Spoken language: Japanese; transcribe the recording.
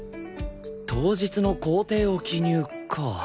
当日の行程を記入か